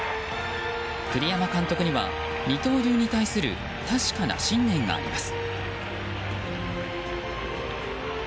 栗山監督には、二刀流に対する確かな信念があります。